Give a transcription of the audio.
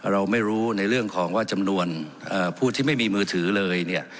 เราไม่รู้ในเรื่องของว่าจำนวนผู้ที่ไม่มีมือถือเลยเนี่ย